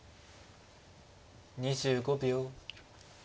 ２５秒。